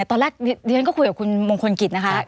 ตอนแรกเรียนก็คุยกับคุณมงคลกิจนะคะ